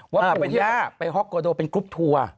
ว่าคุณย่าไปฮอกโกโดเป็นกรุ๊ปทัวร์